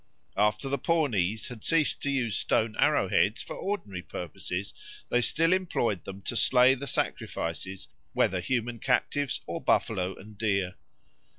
After the Pawnees had ceased to use stone arrow heads for ordinary purposes, they still employed them to slay the sacrifices, whether human captives or buffalo and deer.